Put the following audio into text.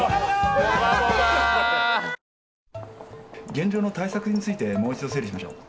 現状の対策についてもう一度整理しましょう。